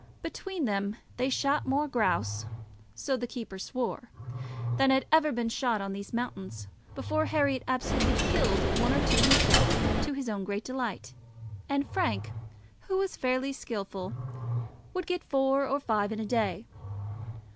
Between them they shot more grouse, so the keeper swore, than had ever been shot on these mountains before. Herriot absolutely killed one or two himself, to his own great delight, and Frank, who was fairly skilful, would get four or five in a day.